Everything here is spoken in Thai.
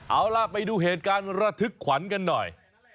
เอาล่ะไปดูเหตุการณ์ระทึกขวัญกันหน่อย